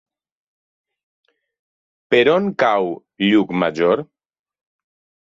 Per on cau Llucmajor?